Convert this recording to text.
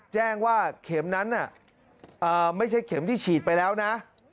แจ้งว่าเข็มนั้นไม่ใช่เข็มที่ฉีดไปแล้วนะ